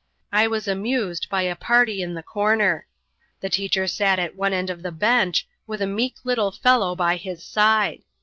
I was amused by a party in a comer. The teacher sat at one end of the bench, with a meek little fellow by his side.